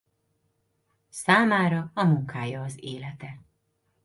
Számára a munkája az élete.